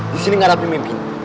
di sini gak ada pemimpin